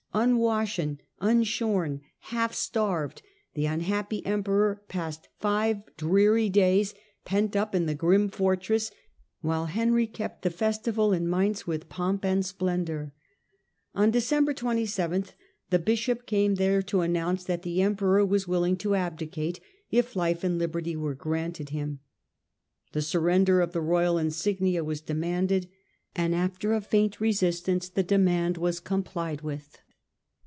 Un washen, unshorn, half starved, the unhappy emperor passed five dreary days pent up in the grim fortress while Henry kept the festival in Mainz with pomp and splendour On December 27 the bishop came there to announce that the emperor was willing to abdicate, if life and liberty were granted him. The surrender of the royal insignia was demanded, and after a faint resistance the demand was complied with.